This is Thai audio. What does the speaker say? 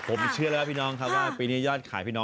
ผมเชื่อแล้วพี่น้องครับว่าปีนี้